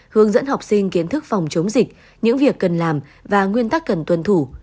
hướng dẫn học sinh kiến thức phòng chống dịch những việc cần làm và nguyên tắc cần tuân thủ